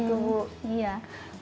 oh gitu bu